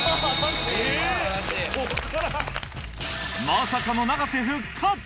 まさかの永瀬復活！